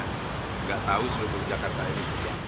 tidak tahu seluruh jakarta ini